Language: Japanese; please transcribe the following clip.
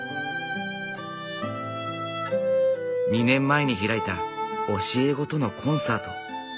２年前に開いた教え子とのコンサート。